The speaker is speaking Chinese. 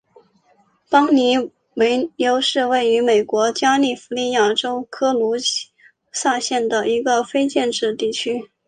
邦妮维尤是位于美国加利福尼亚州科卢萨县的一个非建制地区。